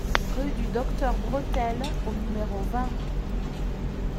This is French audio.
Rue du Docteur Bretelle au numéro vingt